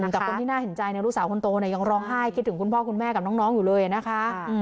แต่คนที่น่าเห็นใจลูกสาวคนโตเนี่ยยังร้องไห้คิดถึงคุณพ่อคุณแม่กับน้องอยู่เลยนะคะ